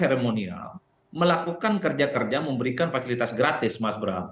seremonial melakukan kerja kerja memberikan fasilitas gratis mas bram